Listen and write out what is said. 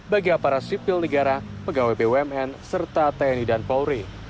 bagi apara sipil negara pegawai bumn serta tni dan polri